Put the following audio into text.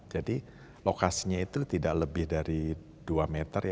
lokasinya itu tidak lebih dari dua meter